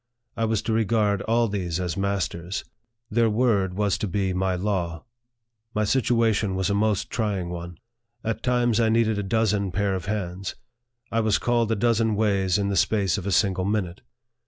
I was to regard all these as mas ters. Their word was to be my law. My situation was a most trying one. At times I needed a dozen pair of hands. I was called a dozen ways in the space of a single minute.